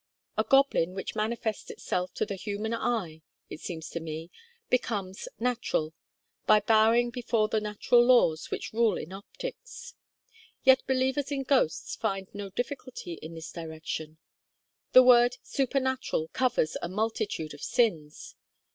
A goblin which manifests itself to the human eye, it seems to me, becomes natural, by bowing before the natural laws which rule in optics. Yet believers in ghosts find no difficulty in this direction; the word 'supernatural' covers a multitude of sins.